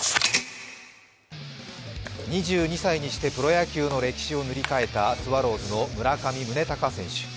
２２歳にしてプロ野球の歴史を塗り替えたスワローズの村上宗隆選手。